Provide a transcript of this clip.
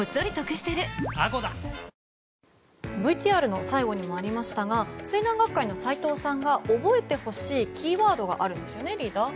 ＶＴＲの最後にもありましたが水難学会の斎藤さんが覚えてほしいキーワードがあるんですよねリーダー。